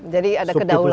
jadi ada kedaulatan